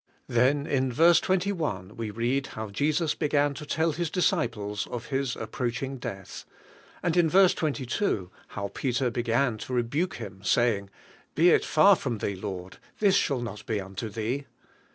Then in verse 21 we read how Jesus began to tell His disciples of His approaching death; and in verse 22 how Peter began to rebuke Him, saying, "Beit far from Thee, Lord; this shall not be unto Thee."